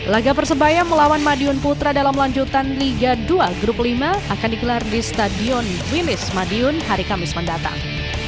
laga persebaya melawan madiun putra dalam lanjutan liga dua grup lima akan dikelar di stadion wilish madiun hari kamis mendatang